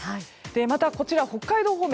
また、こちら北海道方面